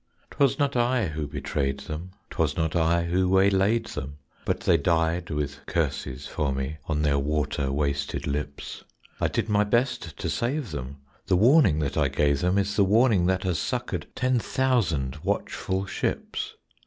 'Twas not I who betrayed them; 'Twas not I who waylaid them; But they died with curses for me On their water wasted lips. I did my best to save them The warning that I gave them Is the warning that has succored Ten thousand watchful ships.